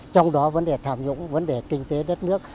trong đó vấn đề tham nhũng vấn đề kinh tế đất nước